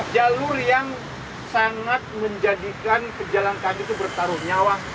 jalur yang sangat menjadikan kejalan kami itu bertaruh nyawa